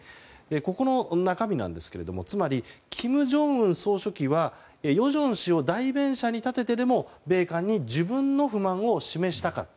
ここの中身なんですがつまり、金正恩総書記は与正氏を代弁者に立ててでも米韓に自分の不満を示したかった。